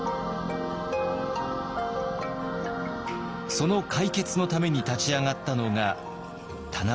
その解決のために立ち上がったのが田中正造です。